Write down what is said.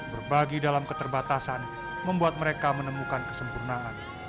berbagi dalam keterbatasan membuat mereka menemukan kesempurnaan